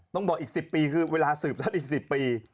ต้องบอกอีก๑๐ปีคือเวลาสืบท่านอีก๑๐ปี